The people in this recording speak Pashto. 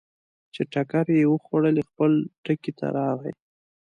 چې ټکرې یې وخوړلې، خپل ټکي ته راغی.